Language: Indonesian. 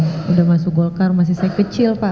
sudah masuk golkar masih saya kecil pak